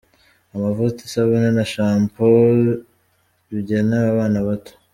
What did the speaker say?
Amavuta isabune na champoo bigenewe Abana bato.